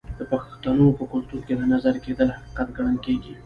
د پښتنو په کلتور کې د نظر کیدل حقیقت ګڼل کیږي.